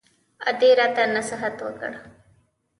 ادې راته نصيحت وکړ.